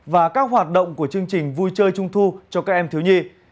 và các hoạt động của chương trình vui chơi trung thu cho các em thiếu nhi